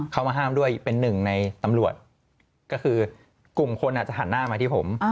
เขามาห้ามด้วยเป็นหนึ่งในตำรวจก็คือกลุ่มคนอาจจะหันหน้ามาที่ผม